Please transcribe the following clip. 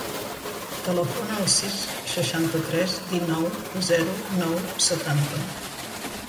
Telefona al sis, seixanta-tres, dinou, zero, nou, setanta.